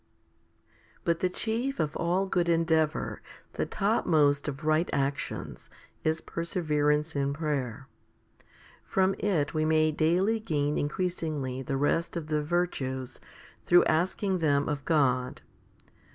2. But the chief of all good endeavour, the topmost of right actions, is perseverance in prayer. From it we may daily gain increasingly the rest of the virtues through asking them of God.